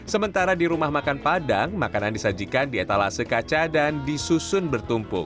sementara di rumah makan padang makanan disajikan di etalase kaca dan disusun bertumpuk